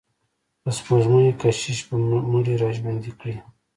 د سپوږمیو کشش به مړي را ژوندي کړي.